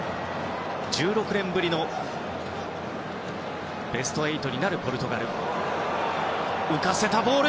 １６年ぶりのベスト８になるポルトガル。